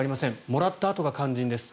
もらったあとが肝心です。